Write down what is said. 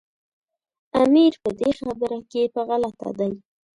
امیر په دې خبره کې په غلطه دی.